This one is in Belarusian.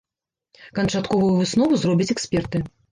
Канчатковую выснову зробяць эксперты.